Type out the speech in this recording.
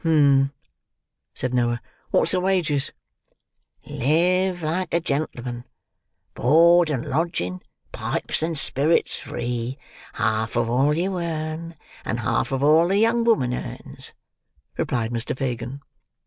"Um!" said Noah. "What's the wages?" "Live like a gentleman—board and lodging, pipes and spirits free—half of all you earn, and half of all the young woman earns," replied Mr. Fagin.